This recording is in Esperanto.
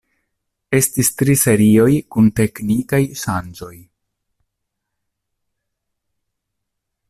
Estis tri serioj kun teknikaj ŝanĝoj.